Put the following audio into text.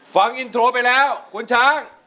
ฟังอินโทรไปแล้วคุณช้าง